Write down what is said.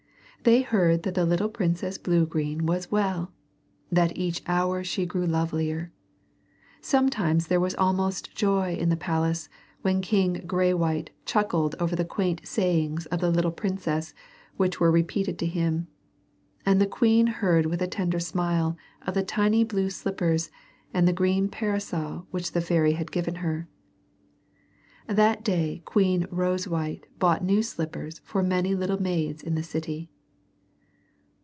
They heard that the little Princess Bluegreen was well, and that each hour she grew lovelier. Sometimes there was almost joy in the palace when King Graywhite chuckled over the quaint sayings of the little princess which were repeated to him, and the queen heard with a tender smile of the tiny blue slippers and the green parasol which the fairy had given her. That day Queen Rosewhite bought new slippers for many little maids in the city.